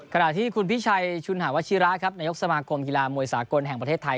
ขณะที่คุณพิชัยชุนหาวัชิระครับนายกสมาคมกีฬามวยสากลแห่งประเทศไทย